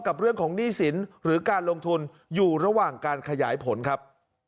กับเรื่องของหนี้สินหรือการลงทุนอยู่ระหว่างการขยายผลครับ